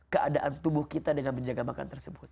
keadaan tubuh kita dengan menjaga makan tersebut